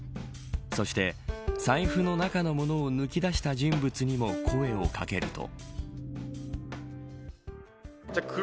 そして、財布の中の物を抜き出した人物にも声を掛けると。